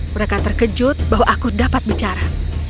mereka terkejut bahwa aku dapat bicara